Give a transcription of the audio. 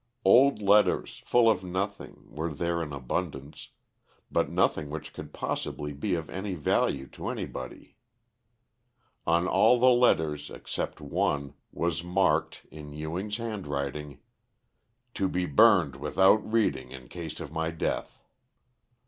Old letters, full of nothing, were there in abundance, but nothing which could possibly be of any value to anybody. On all the letters, except one, was marked, in Ewing's handwriting, "To be burned without reading, in case of my death."